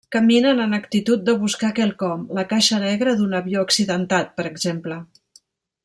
Caminen en actitud de buscar quelcom, la caixa negra d'un avió accidentat, per exemple.